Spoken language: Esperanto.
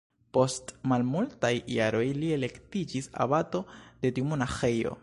Post malmultaj jaroj li elektiĝis abato de tiu monaĥejo.